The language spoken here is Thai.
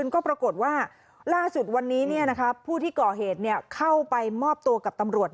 ก็ปรากฏว่าล่าสุดวันนี้ผู้ที่ก่อเหตุเข้าไปมอบตัวกับตำรวจ